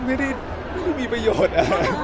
ไม่ได้มีประโยชน์